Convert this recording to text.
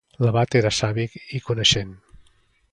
L'abat era savi i coneixent.